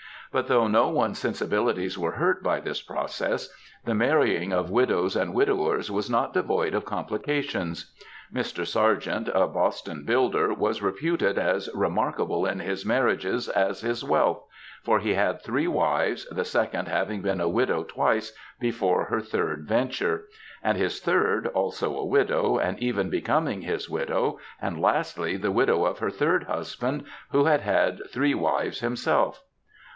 But though no one^s sensibilities were hurt by this process, the marrying of widows and widowers was not devoid of complications. Mr. Sergeant, a Boston builder, was reputed *^ as remarkable in his marriages as his wealth; for he had three wives, the second having been a widow twice, before her third venture ; and his third also a widow, and even becoming his widow, and lastly the widow of her third husband, who had had three wives himself.